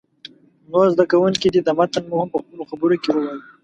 نور زده کوونکي دې د متن مفهوم په خپلو خبرو کې ووایي.